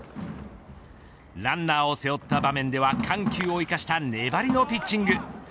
ランナーを背負った場面では緩急を生かした粘りのピッチング。